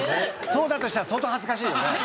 そうだとしたら相当恥ずかしいよね。